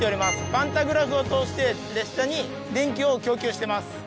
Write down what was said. パンタグラフを通して列車に電気を供給してます。